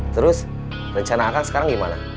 terus rencana akan sekarang gimana